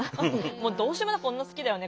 「もうどうしようもなく女好きだよね。